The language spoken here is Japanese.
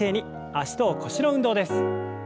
脚と腰の運動です。